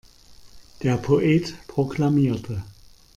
Der Poet proklamierte.